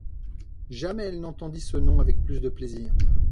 Jamais elle n’entendit ce nom avec plus de plaisir.